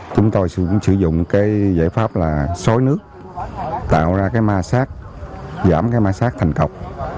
chúng tôi sử dụng giải pháp xoáy nước tạo ra ma sát giảm ma sát thành cọp